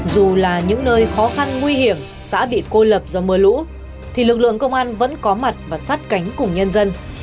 dù là những nơi khó khăn nguy hiểm xã bị cô lập do mưa lũ thì lực lượng công an vẫn có mặt và sát cánh cùng nhân dân